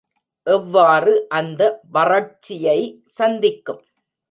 எவ்வாறு அந்த வறட்சியை சந்திக்கும்?